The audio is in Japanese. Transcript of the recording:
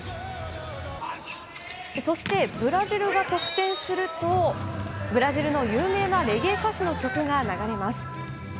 そして、ブラジルが得点するとブラジルの有名なレゲエ歌手の曲が流れます。